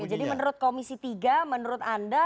jadi menurut komisi tiga menurut anda